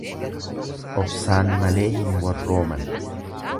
Obsaan malee hin warrooman.